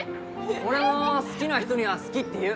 俺も好きな人には好きって言う。